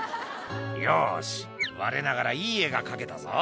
「よしわれながらいい絵が描けたぞ」